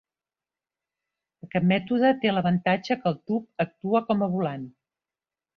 Aquest mètode té l'avantatge que el tub actua com a volant.